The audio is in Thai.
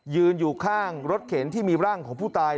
ยืนอยู่ข้างรถเข็นที่มีร่างของผู้ตาย